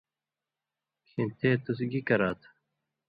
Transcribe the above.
(کھیں تے تُس گی کراتھہ؟